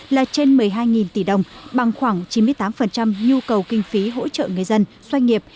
là trên một mươi hai tỷ đồng bằng khoảng chín mươi tám nhu cầu kinh phí hỗ trợ người dân doanh nghiệp